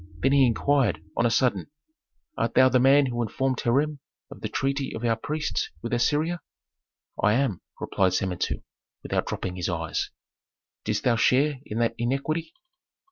Then he inquired, on a sudden "Art thou the man who informed Hiram of the treaty of our priests with Assyria?" "I am," replied Samentu, without dropping his eyes. "Didst thou share in that iniquity?"